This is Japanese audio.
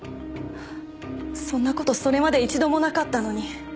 そんな事それまで１度もなかったのに。